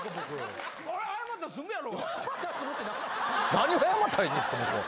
何を謝ったらいいんですか僕は。